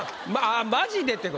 マジでってこと？